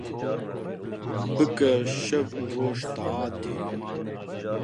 Bike şev û roj taetê